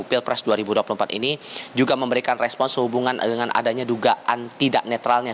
pilpres dua ribu dua puluh empat ini juga memberikan respon sehubungan dengan adanya dugaan tidak netralnya